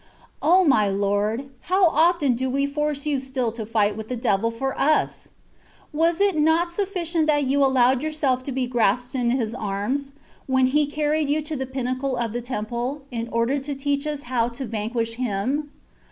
O my Lord ! how often do we force You still to fight with the devil for us ! Was it not suffi cient that you allowed yourself to be grasped in his arms, when he carried you to the pinnacle of the temple, in order to teach us how to vanquish him